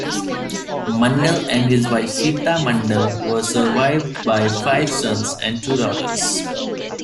Mandal and his wife, Sita Mandal, were survived by five sons and two daughters.